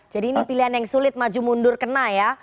jadi ini pilihan yang sulit maju mundur kena ya